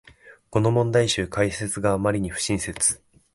この問題集、解説があまりに不親切